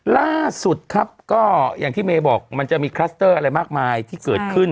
ล่าสุดครับก็อย่างที่เมย์บอกมันจะมีคลัสเตอร์อะไรมากมายที่เกิดขึ้น